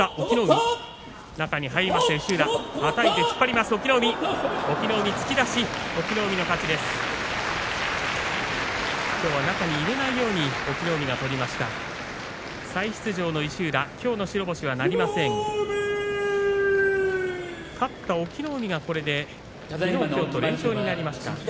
きょうは中に入れないように隠岐の海が取りました。